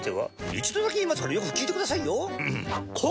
一度だけ言いますからよく聞いてくださいよ。